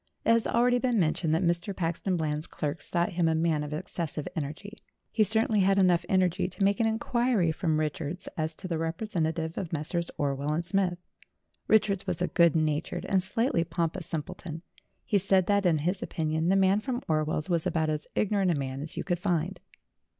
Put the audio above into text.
It has already been mentioned that Mr. Paxton Eland's clerks thought him a man of excessive energy; he certainly had enough energy to make an inquiry from Richards as to the representative of Messrs. Orwell and Smith. Richards was a good natured and slightly pompous simpleton. He said that, in his opinion, the man from Orwell's was about as ignorant a man as you could find.